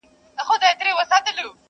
زه تر ګرېوان پوري د اوښکو مزل ستړی کړمه.